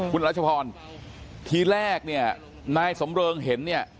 คุณรัชพรทีแรกเนี่ยนายสำเริงเห็นเนี่ย